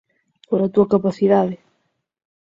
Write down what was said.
pola túa capacidade